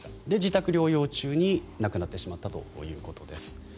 で、自宅療養中に亡くなってしまったということです。